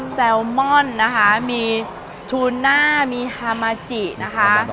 แซลมอนนะคะมีทูน่ามีฮามาจินะคะ